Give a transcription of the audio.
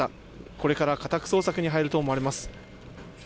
これから家宅捜索に入ると思われます。